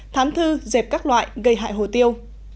thán thư dẹp các loại gây hại hồ tiêu